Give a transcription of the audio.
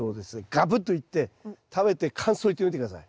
ガブッといって食べて感想を言ってみて下さい。